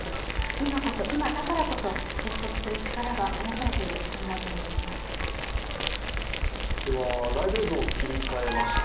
今こそ、今だからこそ結束する力が試されている、ライブ映像を切り替えました。